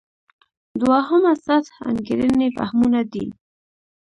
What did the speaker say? دوهمه سطح انګېرنې فهمونه دي.